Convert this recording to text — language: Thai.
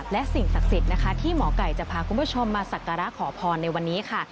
และสิ่งศักดิ์สิทธิ์นะคะที่หมอไก่จะพาคุณผู้ชมมาสักการะขอพรในวันนี้ค่ะ